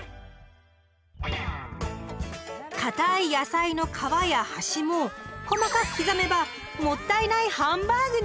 かたい野菜の皮や端も細かく刻めば「もったいないハンバーグ」に！